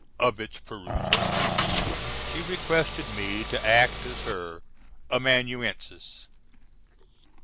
of its perusal, she requested me to act as her Amanuensis.